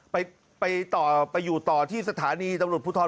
ไปไปต่อไปอยู่ต่อที่สถานีตำรวจภูทร